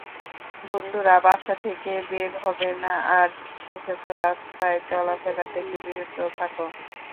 বন্ধুরা, বাসা থেকে বের হবে না আর বিশেষত, রাস্তায় চলাফেরা থেকে বিরত থাকো।